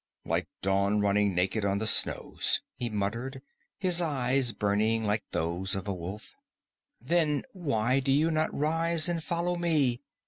"Like Dawn running naked on the snows," he muttered, his eyes burning like those of a wolf. "Then why do you not rise and follow me?